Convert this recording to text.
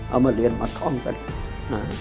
เอามาเรียนมาท่องกันอ่า